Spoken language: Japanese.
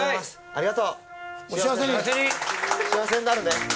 ありがとう。